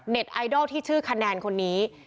ไอดอลที่ชื่อคะแนนคนนี้